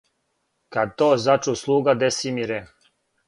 Кад то зачу слуга Десимире,